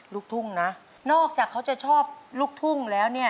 ลูกทุ่งนะนอกจากเขาจะชอบลูกทุ่งแล้วเนี่ย